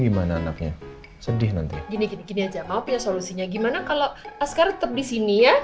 gimana anaknya sedih nanti gini gini aja mau punya solusinya gimana kalau askara tetep di sini ya